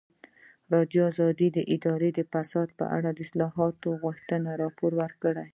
ازادي راډیو د اداري فساد په اړه د اصلاحاتو غوښتنې راپور کړې.